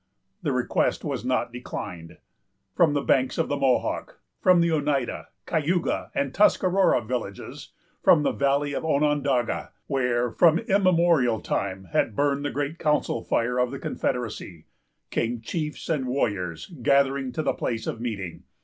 The request was not declined. From the banks of the Mohawk; from the Oneida, Cayuga, and Tuscarora villages; from the valley of Onondaga, where, from immemorial time, had burned the great council fire of the confederacy,——came chiefs and warriors, gathering to the place of meeting.